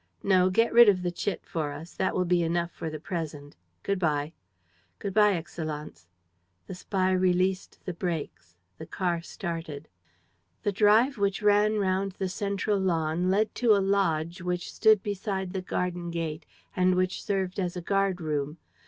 "No. Get rid of the chit for us. That will be enough for the present. Good bye." "Good bye, Excellenz." The spy released the brakes. The car started. The drive which ran round the central lawn led to a lodge which stood beside the garden gate and which served as a guard room.